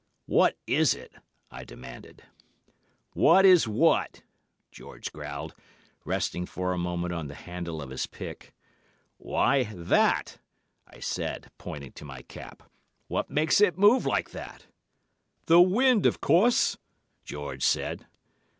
"'What is it?' I demanded. "'What is what?' George growled, resting for a moment on the handle of his pick. "'Why, that!' I said, pointing to my cap. 'What makes it move like that?' "'The wind, of course,' George said.